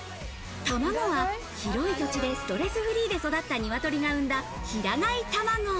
卵は広い土地でストレスフリーで育ったニワトリが産んだ、平飼い卵。